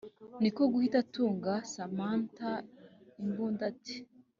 niko guhita atunga samantha imbunda ati”